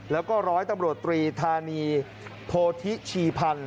แล้วก็ร้อยตำรวจตรีธานีโพธิชีพันธ์